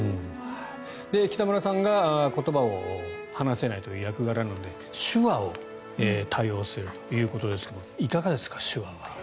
北村さんが言葉を話せないという役柄なので手話を多用するということですがいかがですか、手話は。